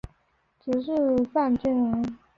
直隶省清苑县人。